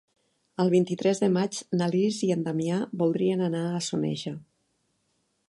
El vint-i-tres de maig na Lis i en Damià voldrien anar a Soneja.